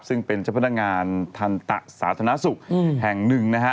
ซึ่งเป็นเจ้าพนักงานทันตะสาธารณสุขแห่งหนึ่งนะฮะ